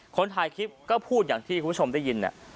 คนถ่ายคลิปก็พูดอย่างที่คุณผู้ชมได้ยิน